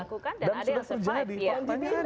dan sudah terjadi pertanyaannya ada